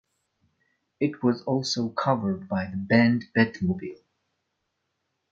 It was also covered by the band Batmobile.